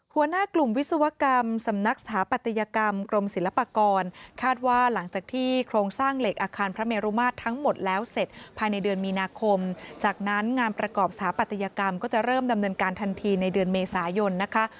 หัวหน้ากลุ่มวิศวกรรมสำนักสถาปัตยกรรมกรมศิลปากรคาดว่าหลังจากที่โครงสร้างเหล็กอาคารพระเมรุมาตรทั้งหมดแล้วเสร็จภายในเดือนมีนาคมจากนั้นงานประกอบสถาปัตยกรรมก็จะเริ่มดำเนินการทันทีในเดือนเมษายนนะคะ